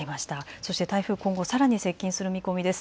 台風、今後さらに接近する見込みです。